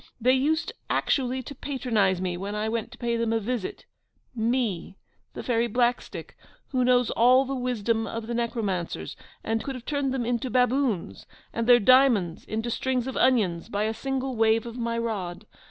They used actually to patronise me when I went to pay them a visit ME, the Fairy Blackstick, who knows all the wisdom of the necromancers, and could have turned them into baboons, and all their diamonds into strings of onions, by a single wave of my rod!